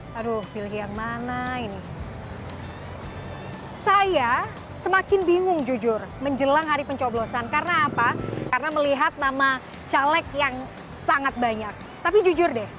kursi presiden dan wakil presiden